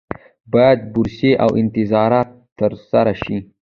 باید بررسي او نظارت ترسره شي.